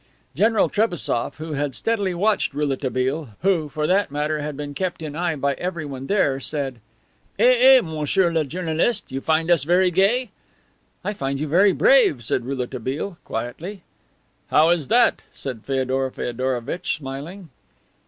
General Trebassof, who had steadily watched Rouletabille, who, for that matter, had been kept in eye by everyone there, said: "Eh, eh, monsieur le journaliste, you find us very gay?" "I find you very brave," said Rouletabille quietly. "How is that?" said Feodor Feodorovitch, smiling.